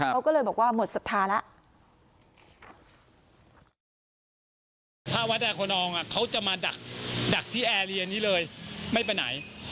เขาก็เลยบอกว่าหมดศรัทธาแล้ว